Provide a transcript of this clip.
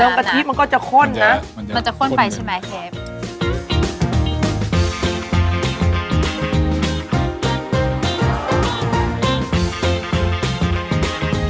กะทิมันก็จะข้นนะมันจะข้นไปใช่ไหมเชฟ